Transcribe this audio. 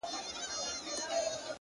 علم د پرمختګ بنسټیز عنصر دی!.